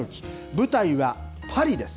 舞台はパリです。